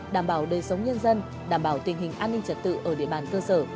đảm bảo đời sống nhân dân đảm bảo tình hình an ninh trật tự ở địa bàn cơ sở